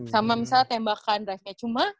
sama misalnya tembakan drive nya cuma